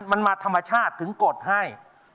มันมาธรรมชาติถึงกดให้